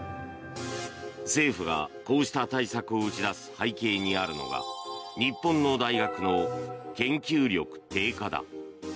政府がこうした対策を打ち出す背景にあるのが日本の大学の研究力低下だ。